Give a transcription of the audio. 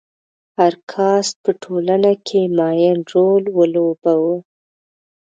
هر کاسټ په ټولنه کې معین رول ولوباوه.